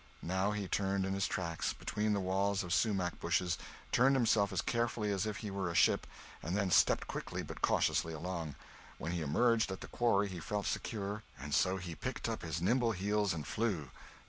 Now he turned in his tracks, between the walls of sumach bushes—turned himself as carefully as if he were a ship—and then stepped quickly but cautiously along. When he emerged at the quarry he felt secure, and so he picked up his nimble heels and flew.